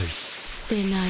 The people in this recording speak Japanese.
すてない。